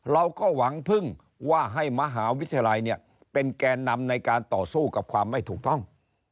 เราก็หวังพึ่งว่าให้มหาวิทยาลัยเนี่ยเป็นแกนนำในการต่อสู้กับความไม่ถูกต้อง